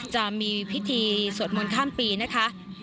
จะมีพิธีสวดมนต์ข้ามปีนะคะ